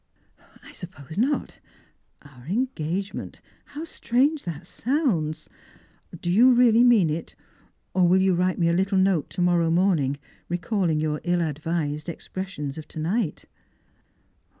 "I supj/ose not. Our engagement! How strange that Bounds ! Do yon really mean it, or will you write me a little Strangers and Pilgrims. 14.5 note to morrow morning recalling your ill advised expreswons of to night